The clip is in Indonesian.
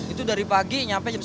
itu dari pagi sampai jam sepuluh